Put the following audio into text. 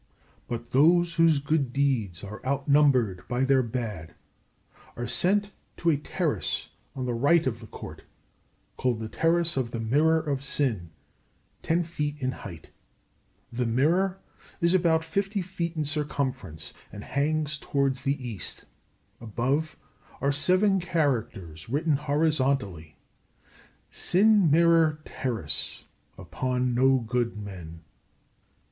But those whose good deeds are outnumbered by their bad are sent to a terrace on the right of the Court, called the Terrace of the Mirror of Sin, ten feet in height. The mirror is about fifty feet in circumference and hangs towards the east. Above are seven characters written horizontally: "Sin Mirror Terrace upon no good men."